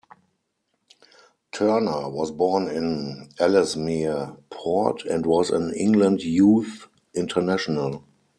Turner was born in Ellesmere Port and was an England youth international.